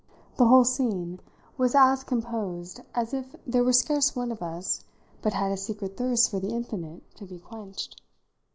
The whole scene was as composed as if there were scarce one of us but had a secret thirst for the infinite to be quenched.